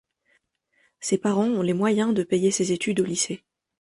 Ses parents ont les moyens de payer ses études au lycée.